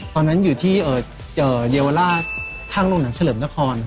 ตอนนั้นอยู่ที่เยาวราชข้างโรงหนังเฉลิมนคร